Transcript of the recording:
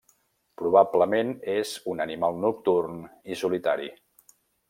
Probablement és un animal nocturn i solitari.